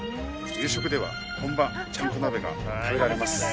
夕食では本場ちゃんこ鍋が食べられます。